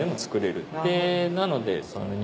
なので。